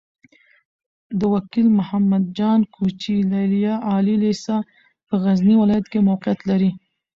د وکيل محمد جان کوچي ليليه عالي لېسه په غزني ولايت کې موقعيت لري.